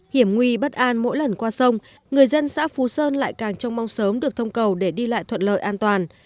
hiểm nguy bất an mỗi lần qua sông người dân xã phú sơn lại càng trong mong sớm được thông cầu để đi lại thuận lợi an toàn